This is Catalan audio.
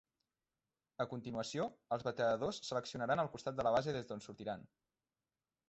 A continuació, els bateadors seleccionaran el costat de la base des d'on sortiran.